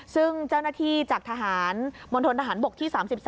ซึ่งเจ้าหน้าที่จากทหารมณฑนทหารบกที่๓๒